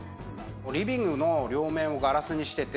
リビングの両面をガラスにしてて。